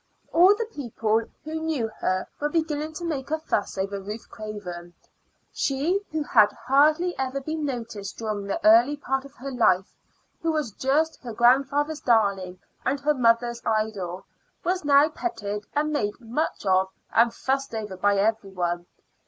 All the people who knew her were beginning to make a fuss over Ruth Craven. She who had hardly ever been noticed during the early part of her life, who was just her grandfather's darling and her grandmother's idol, was now petted and made much of and fussed over by every one.